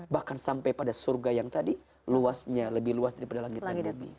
bahkan sampai pada surga yang tadi luasnya lebih luas daripada langit dan bobi